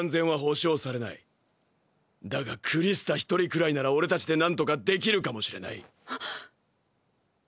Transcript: だがクリスタ一人くらいなら俺たちで何とかできるかもしれない。